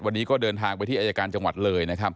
วันนี้ก็เดินทางไปที่อายการจังหวัดเลยนะครับ